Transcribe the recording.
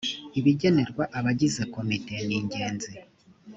ibigenerwa abagize komite ningenzi.